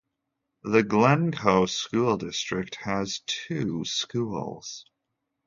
The Glencoe school district has two schools.